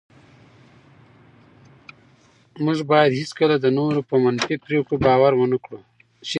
موږ باید هېڅکله د نورو په منفي پرېکړو باور ونه کړو.